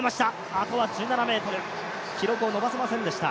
あとは１７ｍ、記録を伸ばせませんでした。